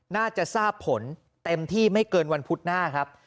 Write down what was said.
น่าจะทราบผลเต็มที่ไม่เกินวันพุธหน้าครับ